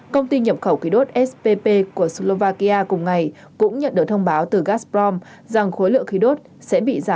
công ty nhập khẩu khí đốt spp của slovakia cùng ngày cũng nhận được thông báo từ gazprom rằng khối lượng khí đốt sẽ bị giảm năm mươi